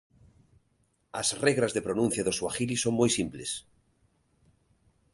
As regras de pronuncia do suahili son moi simples.